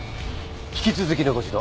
引き続きのご指導